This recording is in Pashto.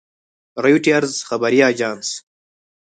رویټرز خبري اژانس